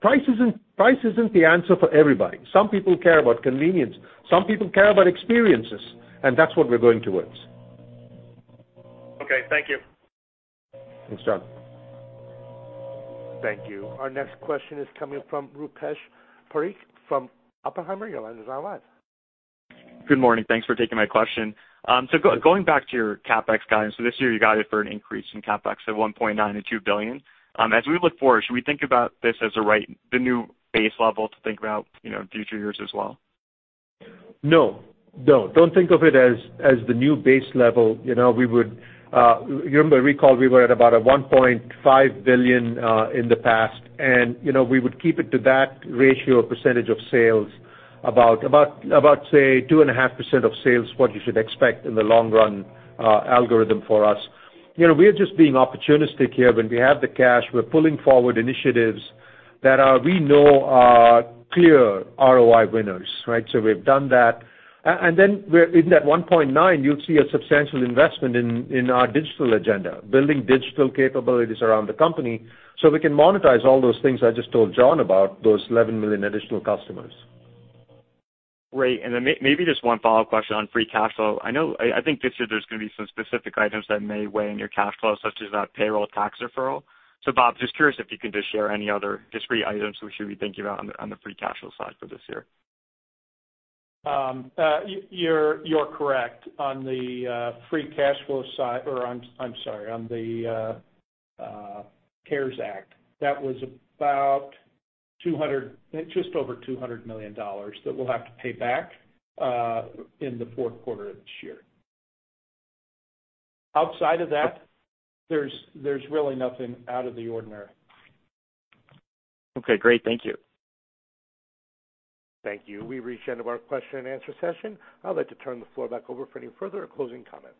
Price isn't the answer for everybody. Some people care about convenience. Some people care about experiences. And that's what we're going towards. Okay. Thank you. Thanks, John. Thank you. Our next question is coming from Rupesh Parikh from Oppenheimer. Your line is now live. Good morning. Thanks for taking my question. So going back to your CapEx guidance, so this year you guided for an increase in CapEx of $1.9 billion-$2 billion. As we look forward, should we think about this as the new base level to think about in future years as well? No. No. Don't think of it as the new base level. You remember, recall we were at about a $1.5 billion in the past, and we would keep it to that ratio of percentage of sales, about, say, 2.5% of sales, what you should expect in the long-run algorithm for us. We're just being opportunistic here. When we have the cash, we're pulling forward initiatives that we know are clear ROI winners, right? So we've done that. And then in that $1.9 billion, you'll see a substantial investment in our digital agenda, building digital capabilities around the company so we can monetize all those things I just told John about, those 11 million additional customers. Great. And then maybe just one follow-up question on free cash flow. I think this year there's going to be some specific items that may weigh on your cash flow, such as that payroll tax deferral. So, Bob, just curious if you can just share any other discrete items we should be thinking about on the free cash flow side for this year. You're correct. On the free cash flow side, or I'm sorry, on the CARES Act, that was about just over $200 million that we'll have to pay back in the fourth quarter of this year. Outside of that, there's really nothing out of the ordinary. Okay. Great. Thank you. Thank you. We've reached the end of our question-and-answer session. I'd like to turn the floor back over for any further closing comments.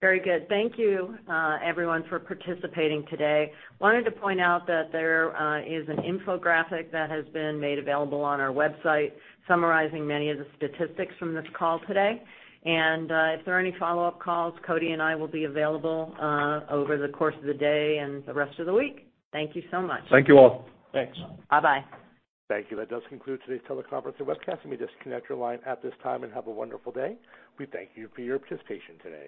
Very good. Thank you, everyone, for participating today. I wanted to point out that there is an infographic that has been made available on our website summarizing many of the statistics from this call today. And if there are any follow-up calls, Coby and I will be available over the course of the day and the rest of the week. Thank you so much. Thank you all. Thanks. Bye-bye. Thank you. That does conclude today's teleconference and webcast. Let me just connect your line at this time and have a wonderful day. We thank you for your participation today.